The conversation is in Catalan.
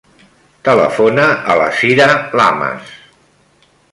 Telefona a la Cira Lamas.